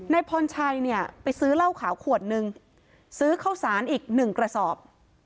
พรชัยเนี่ยไปซื้อเหล้าขาวขวดนึงซื้อข้าวสารอีกหนึ่งกระสอบ